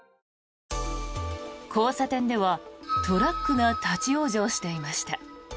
交差点ではトラックが立ち往生していました。